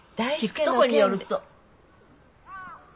聞くとこによると。